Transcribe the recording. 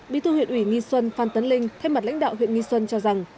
bí thư huyện ủy nghi xuân phan tấn linh thay mặt lãnh đạo huyện nghi xuân cho rằng